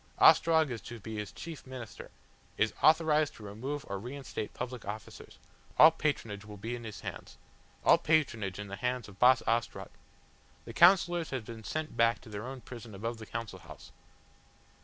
Ostrog is to be his chief minister; is authorised to remove or reinstate public officers all patronage will be in his hands. All patronage in the hands of Boss Ostrog! The Councillors have been sent back to their own prison above the Council House."